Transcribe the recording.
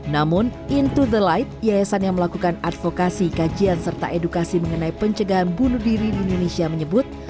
namun in to the light yayasan yang melakukan advokasi kajian serta edukasi mengenai pencegahan bunuh diri di indonesia menyebut